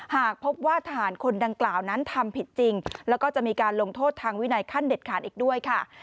หากพบว่าทหารคนดังกล่าวนั้นทำผิดจริงแล้วก็จะมีการลงโทษทางวินัยขั้นเด็ดขาดอีกด้วยค่ะ